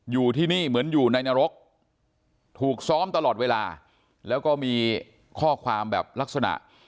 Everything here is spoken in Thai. อยู่ที่นี่เหมือนอยู่ในนรกถูกซ้อมตลอดเวลาแล้วก็มีข้อความแบบลักษณะ